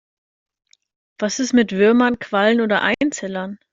Was ist mit Würmern, Quallen oder Einzellern?